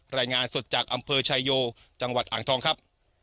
รายงานสดจากอำเภอชายโยจังหวัดอ่างทองครับ